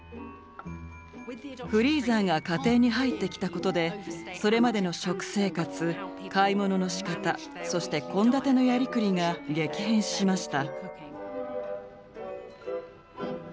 フリーザーが家庭に入ってきたことでそれまでの食生活買い物のしかたそして献立のやりくりが激変しました。